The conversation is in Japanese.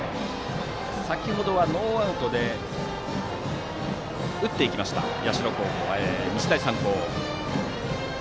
先程はノーアウトで打っていきました、日大三高。